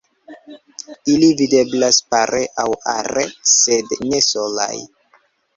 Ili videblas pare aŭ are, sed ne solaj.